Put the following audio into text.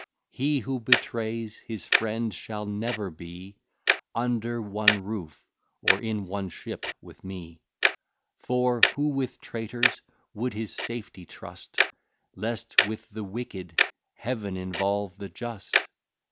He who betrays his friend, shall never be Under one roof, or in one ship, with me: For who with traitors would his safety trust, Lest with the wicked, Heaven involve the just?